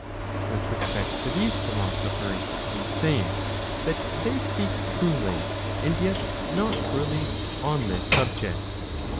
With respect to these philosophers, we say, that they speak truly, and yet not truly, on this subject.